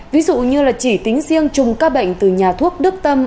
ví dụ như chỉ tính riêng chùng ca bệnh từ nhà thuốc đức tâm